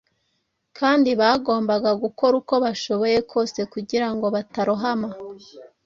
kandi bagombaga gukora uko bashoboye kose kugira ngo batarohama.